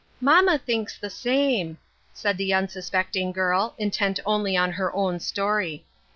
" Mamma thinks the same," said the unsuspect ing girl, intent only on her own story.